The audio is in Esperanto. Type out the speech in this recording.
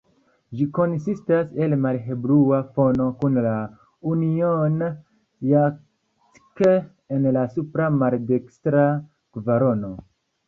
Ĝi konsistas el malhelblua fono, kun la Union Jack en la supra maldekstra kvarono.